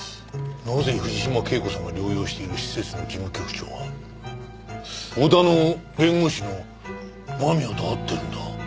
なぜ藤島圭子さんが療養している施設の事務局長が小田の弁護士の間宮と会ってるんだ？